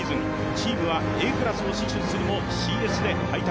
チームはＡクラスを死守するもＣＳで敗退。